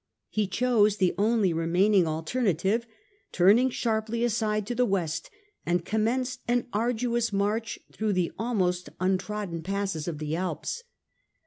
He chose the only remaining alternative, turned sharply aside to the West and commenced an arduous march through the almost untrodden passes of the Alps.